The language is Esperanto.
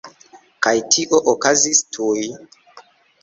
Kaj tio okazis tuj.